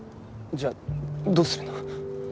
じゃあどうするの？